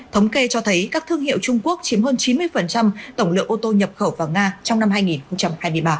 thống kê cho thấy các thương hiệu trung quốc chiếm hơn chín mươi tổng lượng ô tô nhập khẩu vào nga trong năm hai nghìn hai mươi ba